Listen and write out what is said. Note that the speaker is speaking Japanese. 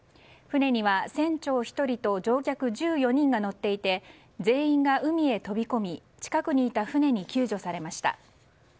船には船長１人と乗客１４人が乗っていて全員が海へ飛び込み近くにいた船に救助されました。